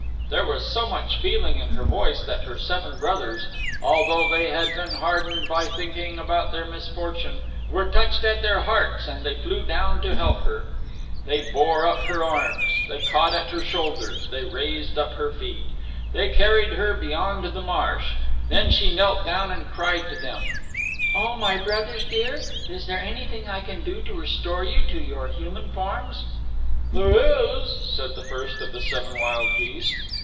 There was so much feeling in her voice that her seven brothers, although they had been hardened by thinking about their misfortune, were touched at their hearts and they flew down to help her. They bore up her arms, they caught at her shoulders, they raised up her feet. They carried her beyond the marsh. Then she knelt down and cried to them, "O my brothers dear, is there anything I can do to restore you to your human forms?" "There is," said the first of the seven wild geese.